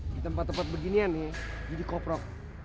di tempat tempat beginian nih jadi koprok